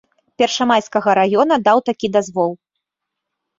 Першамайскага раёна даў такі дазвол.